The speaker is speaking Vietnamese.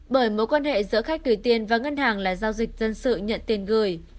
bởi mối quan hệ giữa khách gửi tiền và ngân hàng là giao dịch dân sự nhận tiền gửi